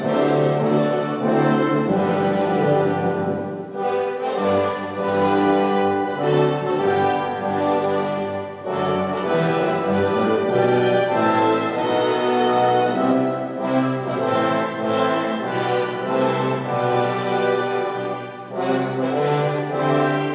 allahumma'alaikum warahmatullahi wabarakatuh